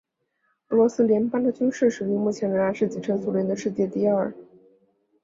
俄罗斯联邦的军事实力目前仍然是继承苏联的世界第二。